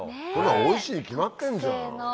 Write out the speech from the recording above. おいしいに決まってんじゃん。